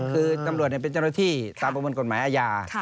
คือตำรวจเป็นเจ้าหน้าที่ตามประมวลกฎหมายอาญา